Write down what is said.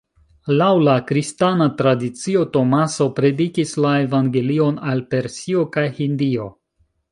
Laŭ la kristana tradicio, Tomaso predikis la evangelion al Persio kaj Hindio.